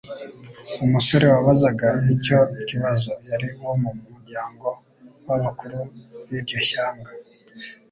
Umusore wabazaga icyo kibazo, yari uwo mu muryango w'abakuru b'iryo shyanga.